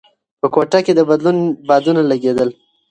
په کوټه کې د بدلون بادونه لګېدل.